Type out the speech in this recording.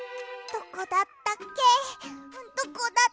どこだったっけ？